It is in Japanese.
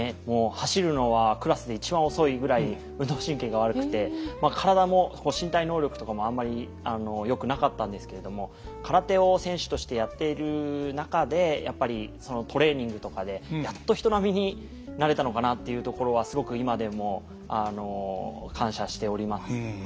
走るのはクラスで一番遅いぐらい運動神経が悪くて体も身体能力とかもあんまりよくなかったんですけれども空手を選手としてやっている中でやっぱりそのトレーニングとかでやっと人並みになれたのかなっていうところはすごく今でも感謝しております。